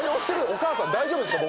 お母さん大丈夫ですか？